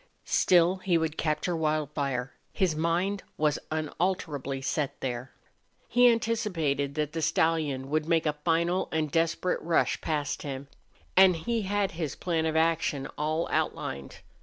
Still he would capture Wildfire; his mind was unalterably set there. He anticipated that the stallion would make a final and desperate rush past him; and he had his plan of action all outlined.